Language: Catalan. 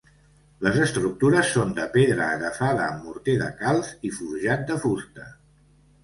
Les estructures són de pedra agafada amb morter de calç i forjat de fusta.